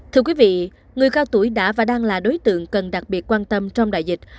thưa quý vị người cao tuổi đã và đang là đối tượng cần đặc biệt quan tâm trong đại dịch